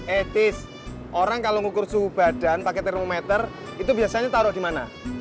eh tis orang kalau ngukur suhu badan pake termometer itu biasanya taruh di mana